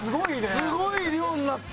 すごい量になった。